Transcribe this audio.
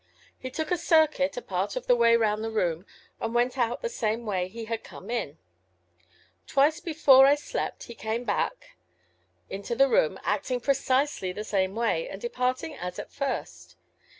He took a circuit a part of the way round the room, and went out the same way he had come in. Twice more before I slept he came back into the room, acting precisely the same way, and departing as at first.